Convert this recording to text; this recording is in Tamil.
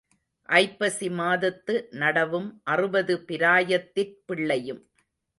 ஐப்பசி மாதத்து நடவும் அறுபது பிராயத்திற் பிள்ளையும்.